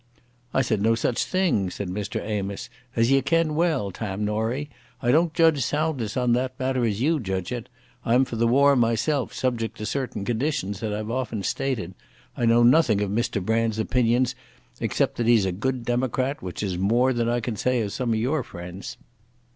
"I said no such thing," said Mr Amos. "As ye ken well, Tam Norie, I don't judge soundness on that matter as you judge it. I'm for the war myself, subject to certain conditions that I've often stated. I know nothing of Mr Brand's opinions, except that he's a good democrat, which is more than I can say of some o' your friends."